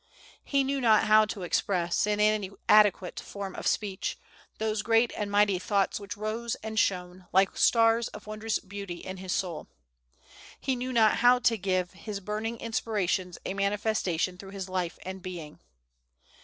He knew not how to express, in any adequate form of speech, those great and mighty thoughts which rose and shone, like stars of wondrous beauty, in his soul; he knew not how to give his burning inspirations a manifestation through his life and being.